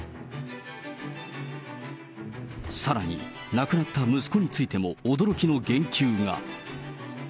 さらに、亡くなった息子についても驚きの言及が。